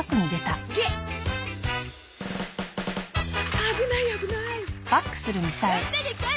危ない危ない。